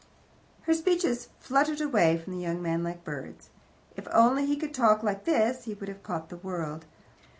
Her speeches fluttered away from the young man like birds. If only he could talk like this, he would have caught the world.